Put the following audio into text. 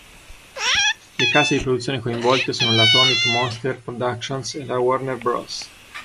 Le case di produzione coinvolte sono la Atomic Monster Productions e la Warner Bros.